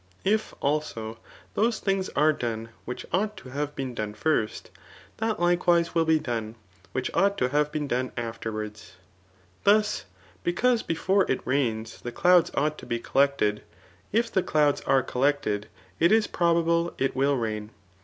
If, also, those things are done which ought to have been done first, that likewise will be done, which ought to have been done afterwards. Thus, because before it rains the clouds ought to be collected, if the clouds are collected, Arist VOL. I. L 162 THl ART OF BOOK D. it is probable it ^^ rain.